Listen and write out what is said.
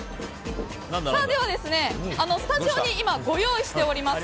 では、スタジオに今ご用意しております